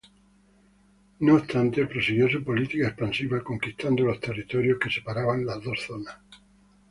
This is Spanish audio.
No obstante prosiguió su política expansiva conquistando los territorios que separaban las dos zonas.